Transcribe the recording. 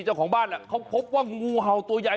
เจ้าของบ้านเขาพบว่างูเห่าตัวใหญ่